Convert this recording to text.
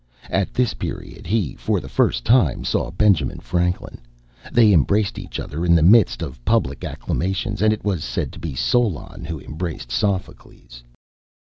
At this period he, for the first time, saw Benjamin Franklin. They embraced each other in the midst of public acclamations, and it was said to be Solon who embraced Sophocles.